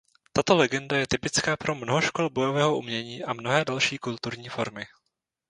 Tato legenda je typická pro mnoho škol bojového umění a mnohé další kulturní formy.